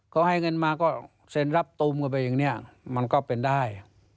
เขาให้เงินมาก็เซ็นรับตูมกันไปอย่างนี้มันก็เป็นได้